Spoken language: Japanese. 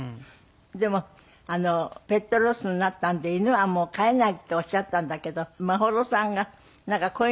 でもペットロスになったんで犬はもう飼えないっておっしゃったんだけど眞秀さんがなんか子犬見ちゃったんだって？